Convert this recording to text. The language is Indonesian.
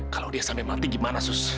kalau dia sampai mati gimana sus